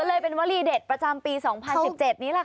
เลยเป็นวลีเด็ดประจำปี๒๐๑๗นี้แหละค่ะ